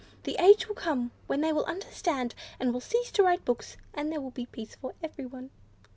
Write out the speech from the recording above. The age will come when they will understand, and will cease to write books, and there will be peace for everyone."